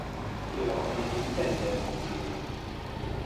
Io non intende morir.